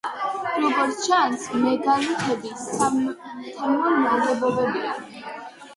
როგორც ჩანს, მეგალითები სათემო ნაგებობებია.